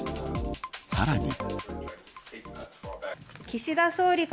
さらに。